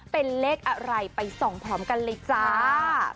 เป็นเลขอะไรไปส่องพร้อมกันเลยจ้า